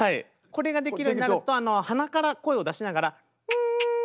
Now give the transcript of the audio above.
これができるようになると鼻から声を出しながら。